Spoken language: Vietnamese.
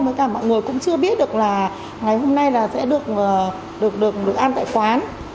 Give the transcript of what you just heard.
mọi người cũng chưa biết được là ngày hôm nay sẽ được ăn tại quán